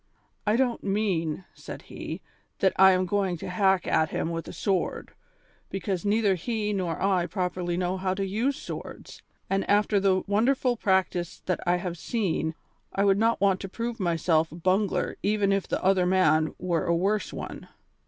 "I don't mean," said he, "that I am going to hack at him with a sword, because neither he nor I properly know how to use swords, and after the wonderful practice that I have seen, I would not want to prove myself a bungler even if the other man were a worse one.